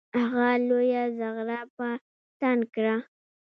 هغه لویه زغره په تن کړه.